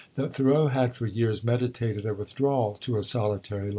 that Thoreau had for years meditated a withdrawal to a solitary life.